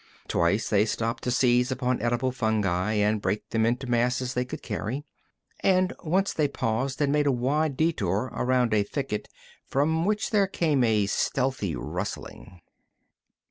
Twice they stopped to seize upon edible fungi and break them into masses they could carry, and once they paused and made a wide detour around a thicket from which there came a stealthy rustling.